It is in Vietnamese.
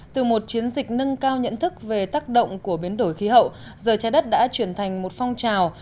từ một chiến dịch nâng cao nhận thức về tác động của biến đổi khí hậu giờ trái đất đã chuyển thành một phong trào